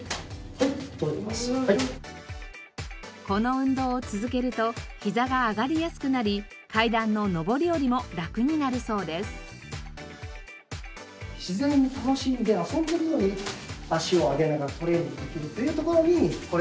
この運動を続けるとひざが上がりやすくなり階段の上り下りもラクになるそうです。